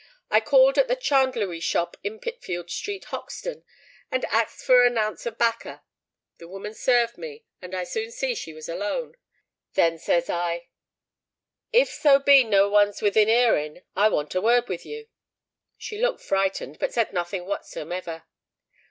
"I called at the chandlery shop in Pitfield Street, Hoxton, and axed for a nounce of bakker. The woman served me; and I soon see that she was alone. Then says I, 'If so be no one's within 'earing, I want a word with you.'—She looked frightened, but said nothing wotsomever.